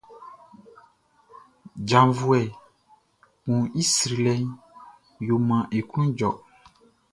Djavuɛ kun i srilɛʼn yo maan e klun jɔ.